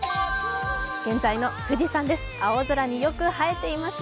現在の富士山です。